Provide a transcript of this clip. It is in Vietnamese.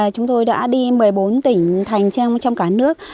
chúng tôi đã đi một mươi bốn tỉnh thành trong cả nước